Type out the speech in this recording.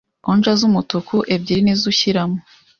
Onja z’umutuku ebyiri nizo ushyiramo